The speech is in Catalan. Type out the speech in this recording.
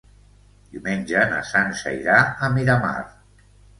Diumenge na Sança irà a Miramar.